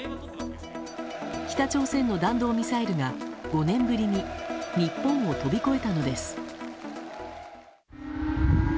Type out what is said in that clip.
北朝鮮の弾道ミサイルが５年ぶりに日本を飛び越えたのです。